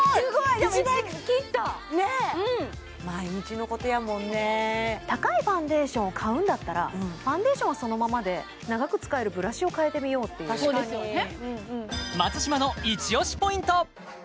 でも１万円切った毎日のことやもんね高いファンデーションを買うんだったらファンデーションはそのままで長く使えるブラシを替えてみようっていう確かにそうですよね